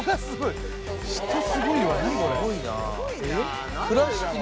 人すごいわ何これですよ